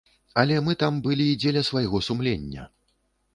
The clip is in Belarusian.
Але мы там былі дзеля свайго сумлення.